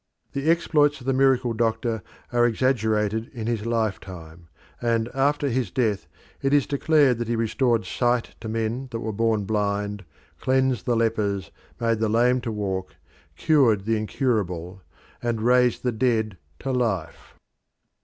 The exploits of the miracle doctor are exaggerated in his lifetime, and after his death it is declared that he restored sight to men that were born blind, cleansed the lepers, made the lame to walk, cured the incurable, and raised the dead to life.